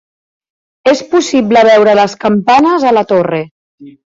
És possible veure les campanes a la torre.